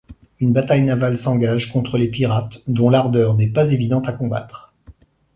Une bataille navale s'engage contre les pirates dont l'ardeur n'est pas évidente à combattre.